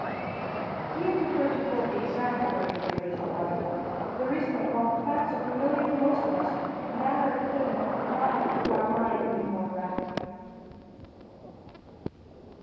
We have preferred to quote the exact wording of the original article, for the reason that while the facts are familiar to most of us, the manner of putting them could not, to our mind, be more graphic.